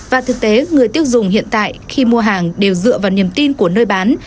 và thực tế người tiêu dùng hiện tại khi mua hàng đều dựa vào niềm tin của nơi bán